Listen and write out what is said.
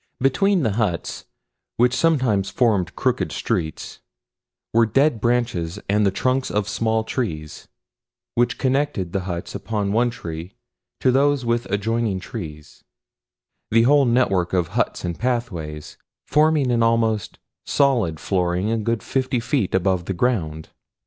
Between the huts, which sometimes formed crooked streets, were dead branches and the trunks of small trees which connected the huts upon one tree to those within adjoining trees; the whole network of huts and pathways forming an almost solid flooring a good fifty feet above the ground.